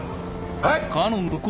はい。